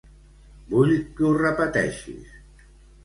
Vull que ho repeteixis.